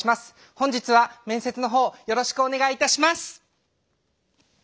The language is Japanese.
本日は面接の方よろしくお願いいたします！